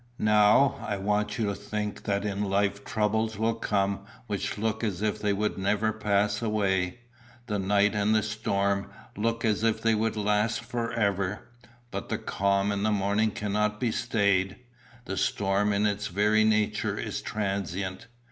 Now, I want you to think that in life troubles will come which look as if they would never pass away; the night and the storm look as if they would last for ever; but the calm and the morning cannot be stayed; the storm in its very nature is transient.